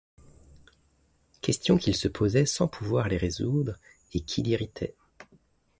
Questions qu'il se posait sans pouvoir les résoudre et qui l'irritaient.